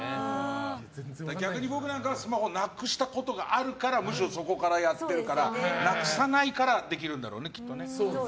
逆に僕なんかはスマホなくしたことがあるからむしろ、そこからやってるからなくさないからできるんだろうね。